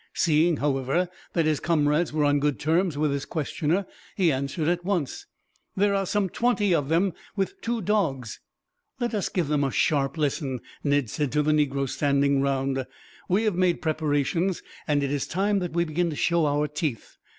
Seeing, however, that his comrades were on good terms with his questioner, he answered at once: "There are some twenty of them, with two dogs." "Let us give them a sharp lesson," Ned said to the negroes standing round. "We have made preparations, and it is time that we began to show our teeth.